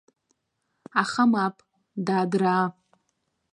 Аха мап, дадраа!